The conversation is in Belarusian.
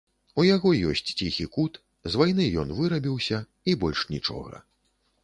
У яго ёсць ціхі кут, з вайны ён вырабіўся, і больш нічога.